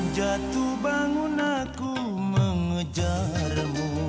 jatuh bangun aku mengejarmu